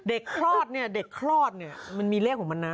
เด็กคลอดมันมีเลขของมันนะ